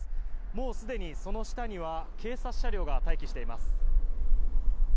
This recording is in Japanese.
もうすでにその下には警察車両が待機しています。